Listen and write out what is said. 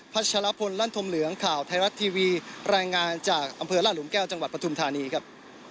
ชะลพลลั่นธมเหลืองข่าวไทยรัฐทีวีรายงานจากอำเภอราชหุมแก้วจังหวัดปฐุมธานีครับ